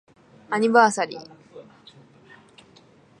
アニバーサリー